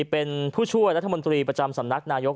เป็นผู้ช่วยรัฐมนตรีประจำสำนักนายก